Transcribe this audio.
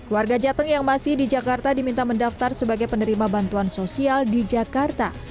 warga jateng yang masih di jakarta diminta mendaftar sebagai penerima bantuan sosial di jakarta